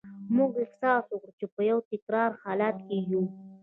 موږ احساس وکړ چې په یو تکراري حالت کې یو